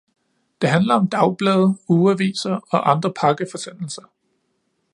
Det handler om dagblade, ugeaviser og andre pakkeforsendelser.